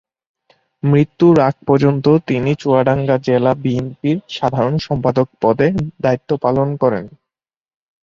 মৃত্যুর আগ পর্যন্ত তিনি চুয়াডাঙ্গা জেলা বিএনপির সাধারণ সম্পাদক পদে দায়িত্ব পালন করেন।